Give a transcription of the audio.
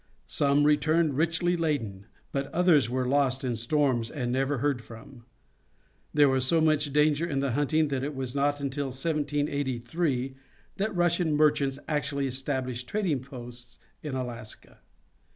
Some returned richly laden, but others were lost in storms and never heard from. There was so much danger in the hunting that it was not until 1783 that Russian merchants actually established trading posts in Alaska.